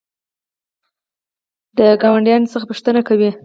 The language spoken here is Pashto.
د ګاونډیانو څخه پوښتنه کوئ؟